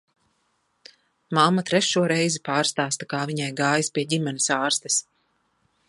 Mamma trešo reizi pārstāsta, kā viņai gājis pie ģimenes ārstes.